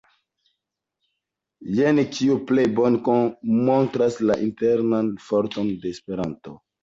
Jen, kio plej bone montras la internan forton de Esperanto.